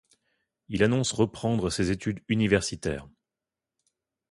Il annonce reprendre ses études universitaires.